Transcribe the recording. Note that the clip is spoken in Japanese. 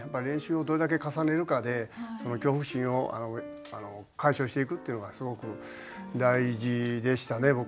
練習をどれだけ重ねるかでその恐怖心を解消していくっていうのがすごく大事でしたね